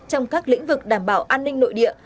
trong các lĩnh vực đảm bảo an ninh nội địa